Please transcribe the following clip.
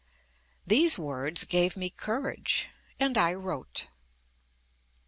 These words gave me cour age and I wrote.